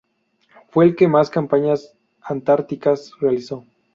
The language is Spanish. Fue el que más campañas antárticas realizó.